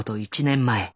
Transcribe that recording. １年前。